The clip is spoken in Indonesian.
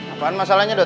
apaan masalahnya dud